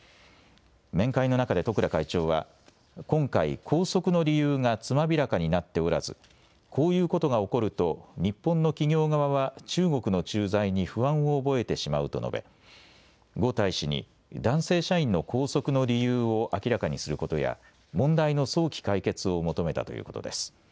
面会の中で十倉会長は今回、拘束の理由がつまびらかになっておらずこうゆうことが起こると日本の企業側は中国の駐在に不安を覚えてしまうと述べ呉大使に男性社員の拘束の理由を明らかにすることや問題の早期解決を求めたということです。